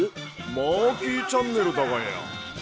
マーキーチャンネルだがや。